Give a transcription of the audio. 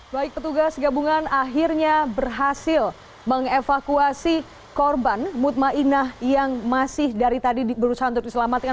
baik petugas gabungan akhirnya berhasil mengevakuasi korban ⁇ mutmainah ⁇ yang masih dari tadi berusaha untuk diselamatkan